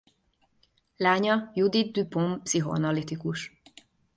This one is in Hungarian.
Lánya Judith Dupont pszichoanalitikus.